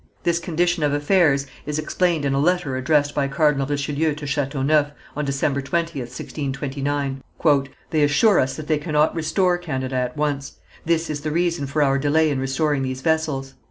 This condition of affairs is explained in a letter addressed by Cardinal Richelieu to Chateauneuf, on December 20th, 1629: "They assure us that they cannot restore Canada at once; this is the reason for our delay in restoring these vessels."